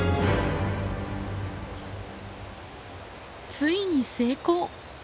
ついに成功！